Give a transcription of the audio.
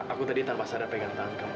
aku tadi tanpa sadar pegang tangan kamu